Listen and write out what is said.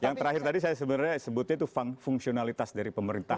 yang terakhir tadi saya sebenarnya sebutnya itu fungsionalitas dari pemerintah